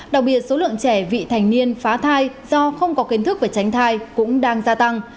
đặc biệt số lượng trẻ vị thành niên phá thai do không có kiến thức và tránh thai cũng đang gia tăng